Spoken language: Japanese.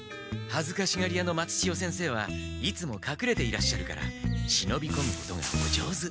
はずかしがり屋の松千代先生はいつもかくれていらっしゃるからしのびこむことがお上手。